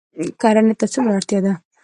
کرنې ته څومره اړتیا ده؟